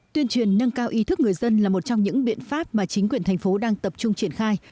tuyên truyền nâng cao ý thức người dân là một trong những biện pháp mà chính quyền thành phố đang tập trung triển khai